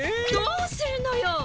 どうするのよ！